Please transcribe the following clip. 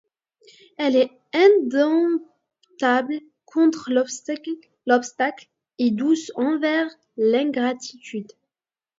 Elle est indomptable contre l'obstacle et douce envers l'ingratitude.